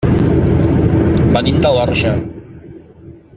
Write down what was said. Venim de l'Orxa.